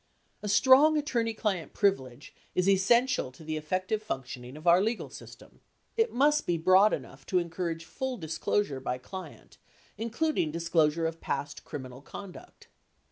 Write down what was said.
A strong attorney client privilege is essential to the effective func tioning of our legal system. It must be broad enough to encourage full disclosure by client, including disclosure of past criminal conduct.